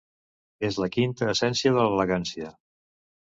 És la quinta essència de l'elegància.